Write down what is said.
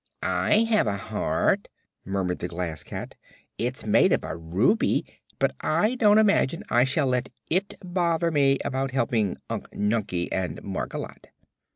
"I have a heart," murmured the Glass Cat. "It's made of a ruby; but I don't imagine I shall let it bother me about helping Unc Nunkie and Margolotte."